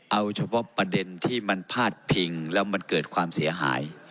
เอาเฉพาะประเด็นที่มันพาดพิงแล้วมันเกิดความเสียหาย